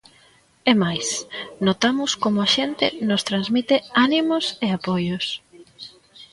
É máis, notamos como a xente nos transmite ánimos e apoios.